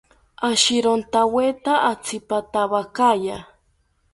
Ashirontaweta atzipatawakaya